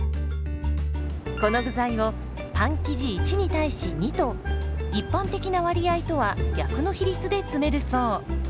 この具材をパン生地１に対し２と一般的な割合とは逆の比率で詰めるそう。